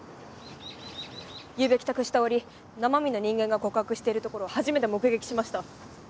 ゆうべ帰宅した折生身の人間が告白しているところを初めて目撃しました。